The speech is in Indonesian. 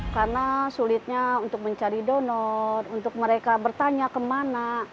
karena sulitnya untuk mencari donor untuk mereka bertanya kemana